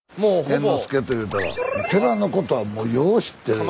猿之助というたら寺のことはもうよう知ってる。